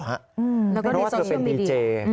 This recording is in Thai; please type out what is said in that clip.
เช่นที่เธอก็เป็นดีเจ